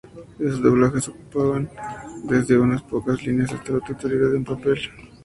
Esos doblajes ocupaban desde unas pocas líneas hasta la totalidad de un papel.